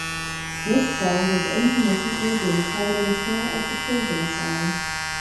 This song has intermittently been played on tour as the closing song.